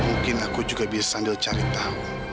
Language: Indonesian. mungkin aku juga bisa sambil cari tahu